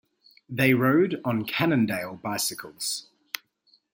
They rode on Cannondale bicycles.